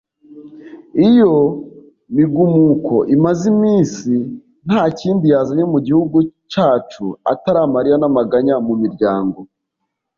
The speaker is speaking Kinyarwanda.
Iyo migumuko imaze imisi nta kindi yazanye mu gihugu cacu atari amarira n'amaganya mu miryango